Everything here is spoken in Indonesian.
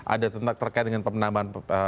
ada tentang terkait dengan pemenangan